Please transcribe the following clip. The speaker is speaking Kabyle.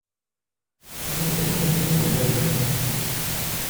Qqlen d imidiwen igerrzen.